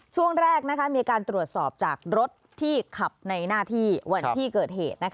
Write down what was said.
ช่วงแรกมีการตรวจสอบจากรถที่ขับในหน้าที่วันที่เกิดเหตุ